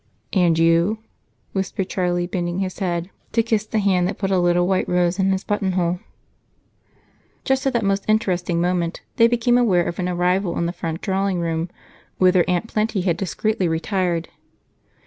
"And you," whispered Charlie, bending his head to kiss the hands that put a little white rose in his buttonhole. Just at that most interesting moment they became aware of an arrival in the front drawing room, whither Aunt Plenty had discreetly retired.